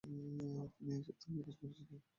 তিনি এ সূত্রের বিকাশ করেছিলেন।